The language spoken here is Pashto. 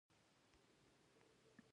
آیا پښتون سوله غواړي خو غلامي نه؟